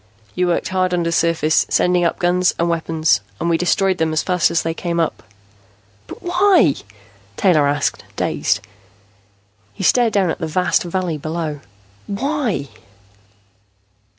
You worked hard undersurface, sending up guns and weapons, and we destroyed them as fast as they came up." "But why?" Taylor asked, dazed. He stared down at the vast valley below. "Why?"